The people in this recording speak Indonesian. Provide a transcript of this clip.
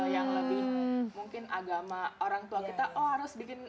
yang lebih mungkin agama orang tua kita oh harus bikin